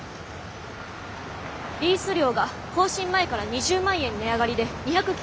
リース料が更新前から２０万円値上がりで２９０万円。